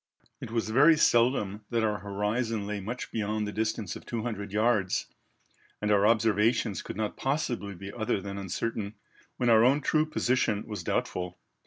It was very seldom that our horizon lay much beyond the distance of 200 yards, and our observations could not possibly be other than uncertain, when our own true position was doubtful.